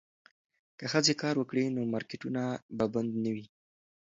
که ښځې کار وکړي نو مارکیټونه به بند نه وي.